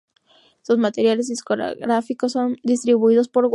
Sus materiales discográficos son distribuidos por Warner Music.